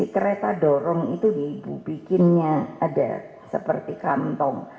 kereta dorong itu diibu bikinnya ada seperti kantong